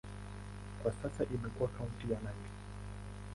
Kwa sasa imekuwa kaunti ya Nandi.